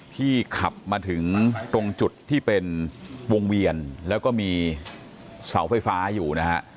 ขับมาถึงตรงจุดที่เป็นวงเวียนแล้วก็มีเสาไฟฟ้าอยู่นะฮะ